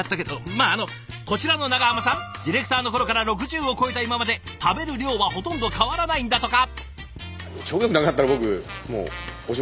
まああのこちらの長濱さんディレクターの頃から６０を超えた今まで食べる量はほとんど変わらないんだとか。